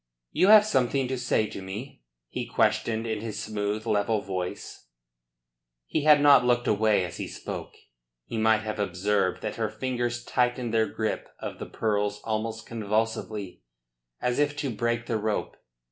"You have something to say to me?" he questioned in his smooth, level voice. Had he not looked away as he spoke he might have observed that her fingers tightened their grip of the pearls almost convulsively, as if to break the rope.